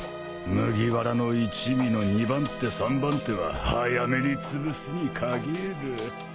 麦わらの一味の２番手３番手は早めにつぶすに限る。